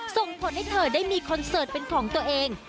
ส่งผลให้เธอได้มีคอนเสิร์ตเป็นของตัวเอง